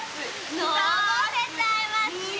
のぼせちゃいますよ。